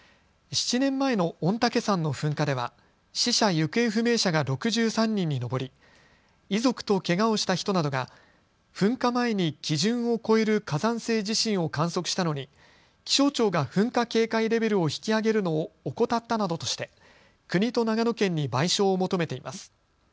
７年前の御嶽山の噴火では死者・行方不明者が６３人に上り遺族とけがをした人などが噴火前に基準を超える火山性地震を観測したのに気象庁が噴火警戒レベルを引き上げるのを怠ったなどとして国と長野県に賠償を求めています。